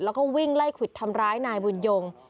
แล้วก็วิ่งไล่ควิดทำร้ายนายบุญยง